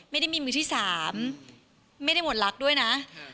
ไม่ได้มีมือที่๓ไม่ได้หมดรักด้วยนะ